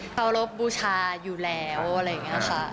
เคารพบูชาอยู่แล้วอะไรอย่างนี้ค่ะ